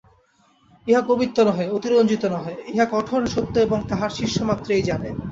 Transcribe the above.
ইহা কবিত্ব নহে, অতিরঞ্জিত নহে, ইহা কঠোর সত্য এবং তাঁহার শিষ্যমাত্রেই জানে।